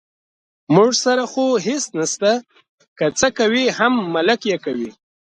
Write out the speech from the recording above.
موږ سره خو هېڅ نشته، که څه کوي هم ملک یې کوي.